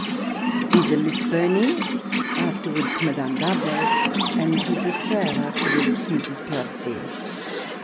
These are Miss Burney afterwards Madame D'Arblay, and Mrs. Thrale afterwards Mrs. Piozzi.